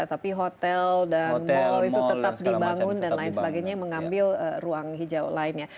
jadi hotel dan mall itu tetap dibangun dan lain sebagainya mengambil ruang hijau lainnya